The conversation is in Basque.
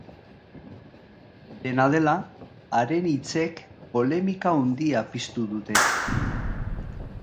Dena dela, haren hitzek polemika handia piztu dute.